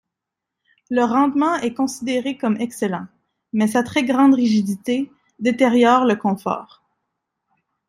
Le rendement est considéré comme excellent, mais sa très grande rigidité détériore le confort.